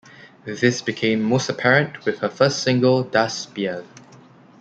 This became most apparent with her first single "Das Spiel".